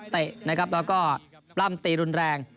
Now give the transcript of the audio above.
เตะนะครับแล้วก็ปล้ำตีรุนแรง